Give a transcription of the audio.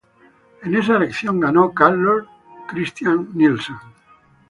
En esa elección ganó Carlos Christian Nielsen.